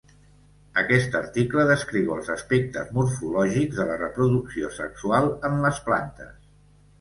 Aquest article descriu els aspectes morfològics de la reproducció sexual en les plantes.